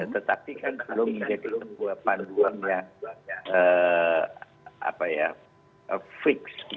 tetapi kan belum ada panduan yang fix